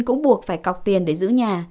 cũng buộc phải cọc tiền để giữ nhà